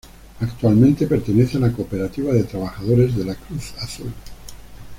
Actualmente pertenece a la Cooperativa de Trabajadores de la Cruz Azul.